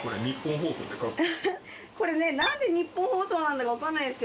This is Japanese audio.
これね何でニッポン放送なんだか分かんないですけど。